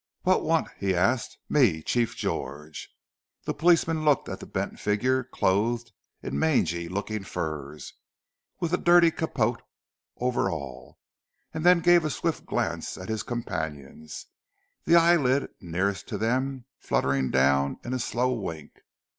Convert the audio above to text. "What want," he asked. "Me, Chief George." The policeman looked at the bent figure clothed in mangy looking furs, with a dirty capote over all, and then gave a swift glance at his companions, the eyelid nearest to them fluttering down in a slow wink.